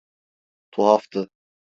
Tuhaftı.